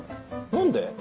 何で？